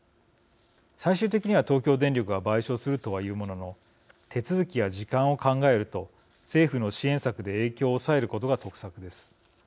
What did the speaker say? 最終的には東京電力が賠償するとはいうものの手続きや時間を考えると政府の支援策で影響を抑えることが得策です。